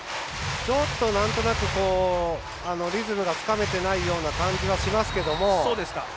ちょっとなんとなくリズムがつかめていないような感じはしますけれども。